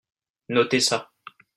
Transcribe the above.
Notez ça.